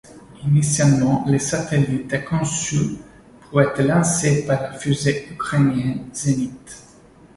Initialement le satellite est conçu pour être lancé par la fusée ukrainienne Zenit.